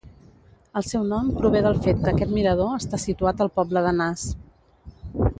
El seu nom prové del fet que aquest mirador està situat al poble de Nas.